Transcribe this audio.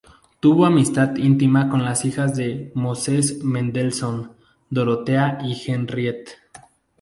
Tuvo amistad íntima con las hijas de Moses Mendelssohn, Dorotea y Henriette.